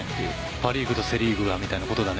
パ・リーグとセ・リーグみたいなことだね。